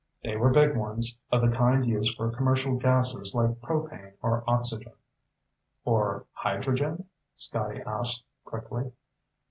They were big ones, of the kind used for commercial gases like propane or oxygen." "Or hydrogen?" Scotty asked quickly.